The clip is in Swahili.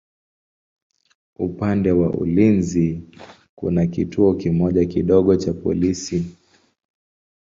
Upande wa ulinzi kuna kituo kimoja kidogo cha polisi.